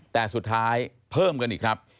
แต่สุดท้ายเพิ่มกันอีกครับ